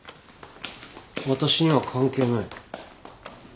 私には関係ない。